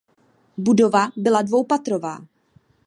Budova byla dvoupatrová.